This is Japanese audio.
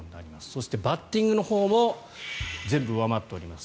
そして、バッティングのほうも全部上回っております。